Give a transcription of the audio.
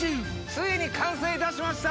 ついに完成いたしました！